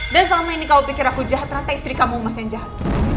dan selama ini kamu pikir aku jahat rata istri kamu mas yang jahat